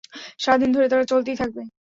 সারাদিন ধরে তারা চলতেই থাকবে।